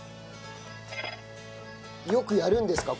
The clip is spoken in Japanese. よくやるんですか？